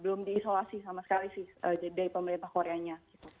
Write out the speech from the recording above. belum diisolasi sama sekali sih dari pemerintah koreanya